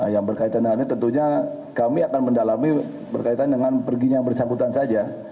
yang berkaitan dengan ini tentunya kami akan mendalami berkaitan dengan perginya yang bersangkutan saja